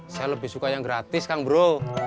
saya lebih suka yang gratis kan bro